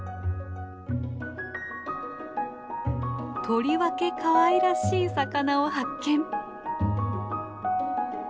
とりわけかわいらしい魚を発見。